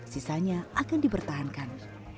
sisanya akan dipertahankan